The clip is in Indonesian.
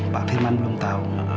pak firman belum tahu